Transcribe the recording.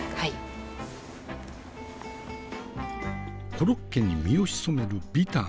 コロッケに身を潜めるビターなやつ。